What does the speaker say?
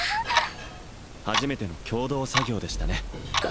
初めての共同作業でしたね